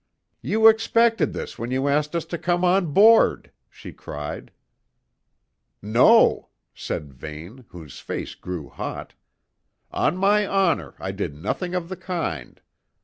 "You expected this when you asked us to come on board!" she cried. "No," said Vane, whose face grew hot. "On my honour, I did nothing of the kind.